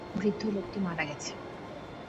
বৃদ্ধ লোকটি মারা গেছে।